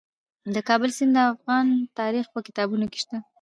د کابل سیند د افغان تاریخ په کتابونو کې شته.